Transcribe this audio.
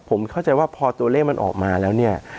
ผมเข้าใจว่าพอตัวเลขมันออกมาแล้วเนี่ย